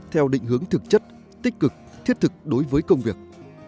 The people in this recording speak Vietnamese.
theo định hướng thực chất tích cực thiết thực đối với công việc